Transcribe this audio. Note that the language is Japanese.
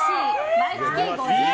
毎月５０万円！